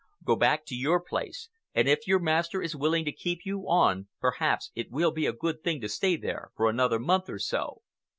Go back to your place, and if your master is willing to keep you on perhaps it would be a good thing to stay there for another month or so.